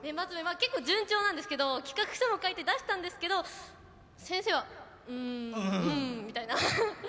結構、順調なんですけど企画書も書いて出したんですけど先生は「うーん」みたいな。